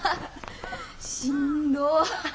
しんどっ！